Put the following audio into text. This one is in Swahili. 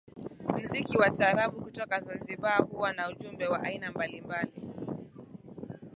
Mziki wa taarabu kutoka zanzibar huwa na ujumbe wa aina mbalimbali